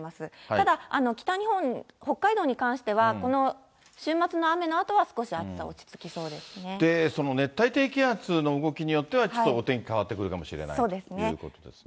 ただ北日本、北海道に関しては、この週末の雨のあとは少し暑さ、で、その熱帯低気圧の動きによっては、ちょっとお天気変わってくるかもしれないということですね。